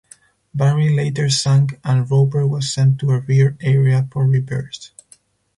"Barry" later sank, and "Roper" was sent to a rear area for repairs.